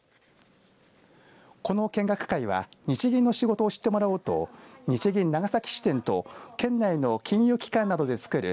この見学会は日銀の仕事を知ってもらおうと日銀長崎支店と県内の金融機関などでつくる